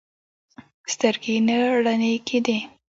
سترګې نه رڼې کېدې.